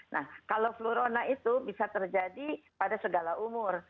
nah kalau flurona itu bisa terjadi pada segala umur